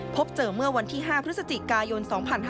พบเจอเมื่อวันที่๕พฤศจิกายน๒๕๕๙